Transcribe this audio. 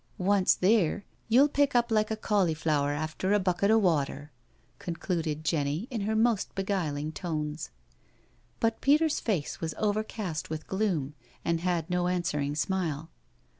Once theer, you'll pick up likd a cauliflower after a bucket o' water," con cluded Jenny in her most beguiling tones. But Peter's face was overcast with gloom and had no answering smile.